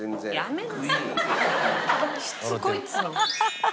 しつこいっつうの。